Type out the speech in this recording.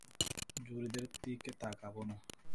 জুরিদের দিকে তাকাব না।